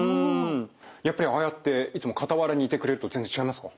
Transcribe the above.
やっぱりああやっていつも傍らにいてくれると全然違いますか？